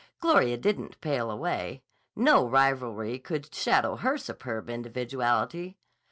Gloria didn't pale away. No rivalry could shadow her superb individuality.